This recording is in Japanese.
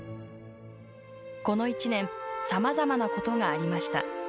この一年さまざまなことがありました。